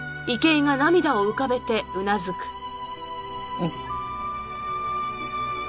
うん。